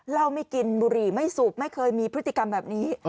ไม่กินบุหรี่ไม่สูบไม่เคยมีพฤติกรรมแบบนี้